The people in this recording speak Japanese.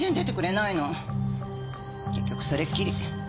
結局それっきり。